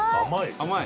甘い？